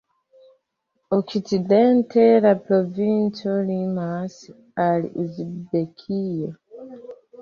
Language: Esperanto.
Okcidente la provinco limas al Uzbekio.